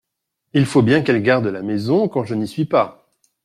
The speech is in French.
Il faut bien qu'elle garde la maison quand je n'y suis pas.